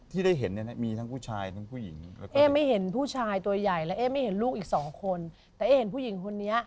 ที่ได้เห็นมีทั้งผู้ชายทั้งผู้หญิง